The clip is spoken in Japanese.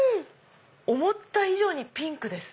思った以上にピンクです。